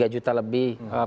tiga juta lebih